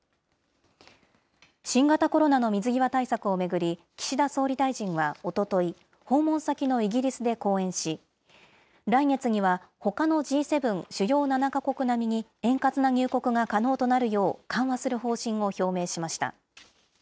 新型コロナの水際対策を巡り、岸田総理大臣はおととい、訪問先のイギリスで講演し、来月にはほかのＧ７・主要７か国並みに円滑な入国が可能となるよう緩和する方針を表明しました。